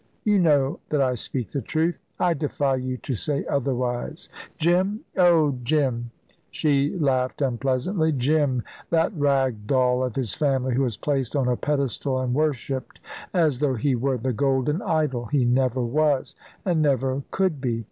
You know that I speak the truth I defy you to say otherwise. Jim! oh, Jim," she laughed unpleasantly; "Jim that rag doll of his family, who is placed on a pedestal and worshipped, as though he were the golden idol he never was and never could be!